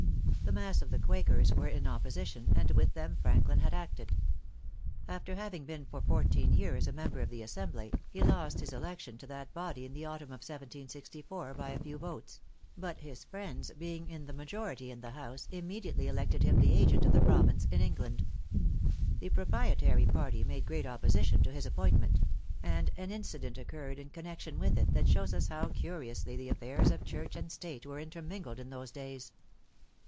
The mass of the Quakers were in opposition, and with them Franklin had acted. After having been for fourteen years a member of the Assembly, he lost his election to that body in the autumn of 1764, by a few votes; but his friends being in the majority in the House, immediately elected him the agent of the province in England. The proprietary party made great opposition to his appointment; and an incident occurred in connection with it that shows us how curiously the affairs of Church and State were intermingled in those days.